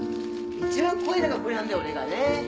一番怖いのがこれなんだよ俺がね。